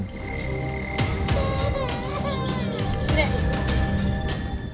jika saya berjalan di tengah tengah sini dengan kontur sulawesi tengah yang kering